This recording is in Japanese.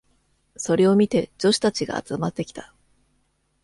それを見て女子たちが集まってきた。